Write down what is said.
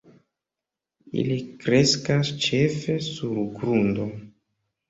Ili kreskas ĉefe sur grundo.